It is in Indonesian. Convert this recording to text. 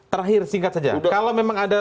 terakhir singkat saja kalau memang ada